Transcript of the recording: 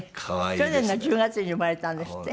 去年の１０月に生まれたんですって？